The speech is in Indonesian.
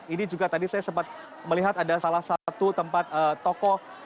ini juga tadi saya sempat melihat ada salah satu tempat toko